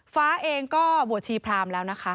ฟ้าเองก็บวชชีพรามแล้วนะคะ